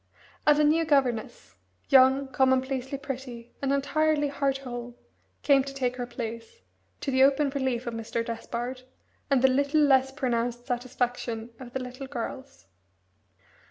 And a new governess, young, commonplacely pretty, and entirely heart whole, came to take her place, to the open relief of Mr. Despard, and the little less pronounced satisfaction of the little girls.